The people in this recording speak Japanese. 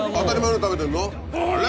あれ！